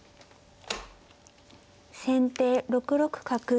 先手６六角。